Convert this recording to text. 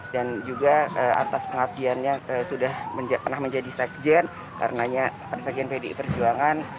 dan juga atas pengabdiannya sudah pernah menjadi sekjen karenanya sekjen pdi perjuangan